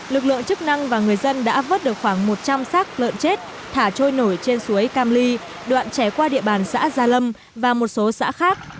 lực lượng chức năng và người dân đã vớt được khoảng một trăm linh sắc lợn chết thả trôi nổi trên suối cam ly đoạn chảy qua địa bàn xã gia lâm và một số xã khác